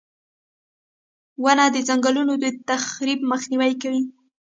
• ونه د ځنګلونو د تخریب مخنیوی کوي.